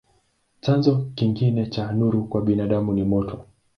Chanzo kingine cha nuru kwa binadamu ni moto.